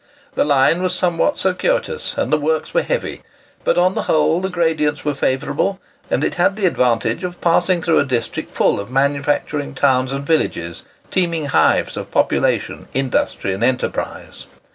The line was somewhat circuitous, and the works were heavy; but on the whole the gradients were favourable, and it had the advantage of passing through a district full of manufacturing towns and villages, teeming hives of population, industry, and enterprise.